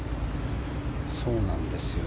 そうなんですよ。